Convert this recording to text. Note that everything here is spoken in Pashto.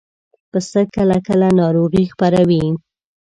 پسه کله کله ناروغي خپروي.